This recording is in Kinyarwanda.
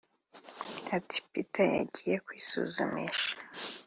Ati “Peter yagiye kwisuzumisha